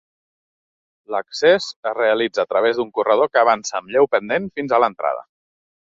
L'accés es realitza a través d'un corredor que avança amb lleu pendent fins a l'entrada.